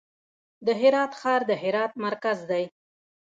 د هرات ښار د هرات مرکز دی